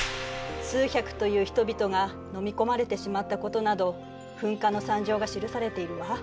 数百という人々が飲み込まれてしまったことなど噴火の惨状が記されているわ。